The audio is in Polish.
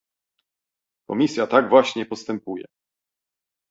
Komisja tak właśnie postępuje